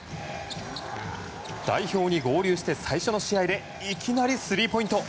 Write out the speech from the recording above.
代表に合流して最初の試合でいきなりスリーポイント！